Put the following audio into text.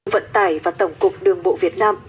vận tải và tổng cục đường bộ việt nam